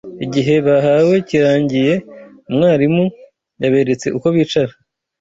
Igihe bahawe kirangiye umwarimu yaberetse uko bicara